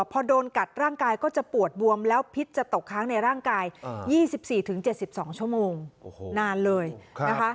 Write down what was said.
พอโดนกัดร่างกายก็จะปวดบวมแล้วพิษจะตกค้างในร่างกาย๒๔๗๒ชั่วโมงนานเลยนะคะ